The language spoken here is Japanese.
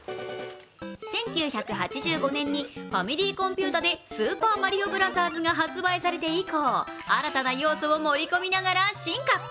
１９８５年のファミリーコンピュータで「スーパーマリオブラザーズ」が発売されて以降新たな要素を盛り込みながら進化。